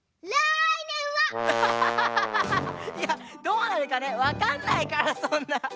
いやどうなるかねわかんないからそんな。